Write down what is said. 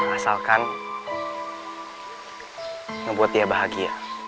asalkan ngebuat dia bahagia